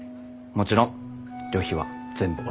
もちろん旅費は全部俺が持つ。